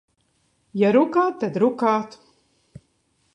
Ja rukāt, tad rukāt.